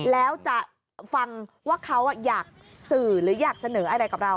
แล้วจะฟังว่าเขาอยากสื่อหรืออยากเสนออะไรกับเรา